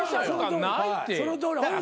そのとおり。